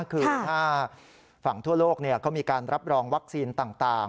คือถ้าฝั่งทั่วโลกเขามีการรับรองวัคซีนต่าง